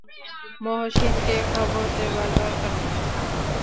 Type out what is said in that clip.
মহসিনকে খবর দেবার দরকার নেই।